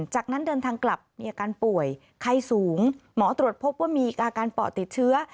จากนั้นเดินทางกลับมีอาการป่วยไข้สูงหมอตรวจพบว่ามีอาการปอดติดเชื้อ